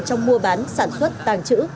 trong mua bán sản xuất tăng trữ